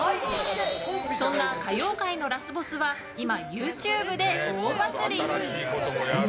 そんな歌謡界のラスボスは今、ＹｏｕＴｕｂｅで大バズり。